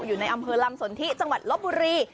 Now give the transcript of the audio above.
อยู่ในอำเภอลำสนทิจังหวัดลบบุรี